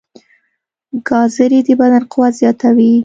ګازرې د بدن قوت زیاتوي.